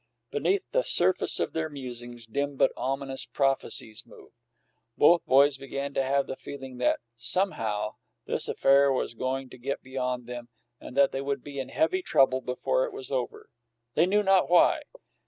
Beneath the surface of their musings, dim but ominous prophecies moved; both boys began to have the feeling that, somehow, this affair was going to get beyond them and that they would be in heavy trouble before it was over they knew not why.